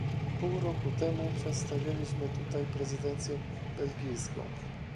Pół roku temu przedstawialiśmy tutaj prezydencję belgijską